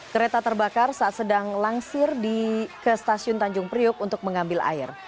kereta terbakar saat sedang langsir ke stasiun tanjung priuk untuk mengambil air